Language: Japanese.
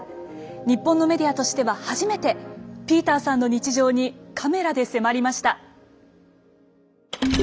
日本のメディアとしては初めてピーターさんの日常にカメラで迫りました。